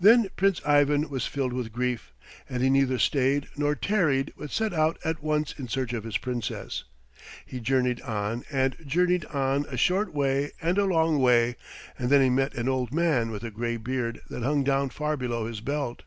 Then Prince Ivan was filled with grief; and he neither stayed nor tarried but set out at once in search of his Princess. He journeyed on and journeyed on a short way and a long way, and then he met an old man with a grey beard that hung down far below his belt.